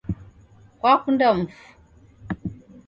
Kwakunda mufu?